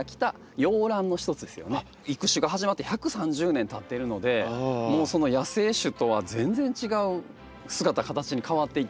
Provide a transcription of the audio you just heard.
育種が始まって１３０年たってるのでもうその野生種とは全然違う姿形に変わっていってるんです。